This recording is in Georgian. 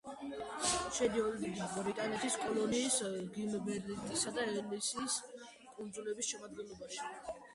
შედიოდა დიდი ბრიტანეთის კოლონიის გილბერტისა და ელისის კუნძულების შემადგენლობაში.